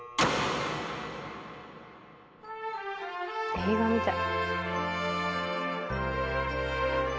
映画みたい。